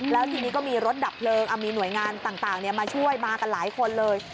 แล้วทีนี้ก็มีรถดับเพลิงมีหน่วยงานต่างมาช่วยมากันหลายคนเลย